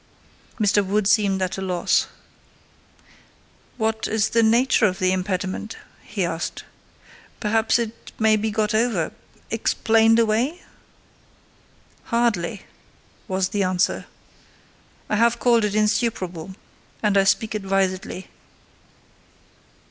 Mr. Wood seemed at a loss. "What is the nature of the impediment?" he asked. "Perhaps it may be got over—explained away?" "Hardly," was the answer. "I have called it insuperable, and I speak advisedly."